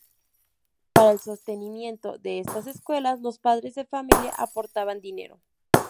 Para el sostenimiento de estas escuelas los padres de familia aportaban dinero.